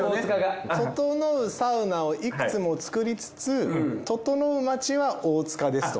ととのうサウナをいくつも作りつつととのう街は大塚ですと。